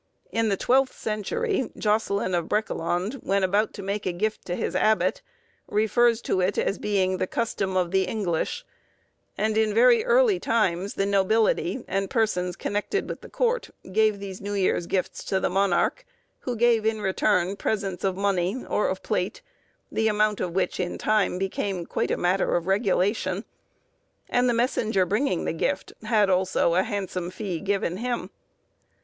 In the twelfth century, Jocelin of Brakelond, when about to make a gift to his abbot, refers to it, as being according to the custom of the English; and, in very early times, the nobility, and persons connected with the court, gave these New Year's Gifts to the monarch, who gave in return presents of money, or of plate, the amount of which in time became quite a matter of regulation; and the messenger, bringing the gift, had, also, a handsome fee given him.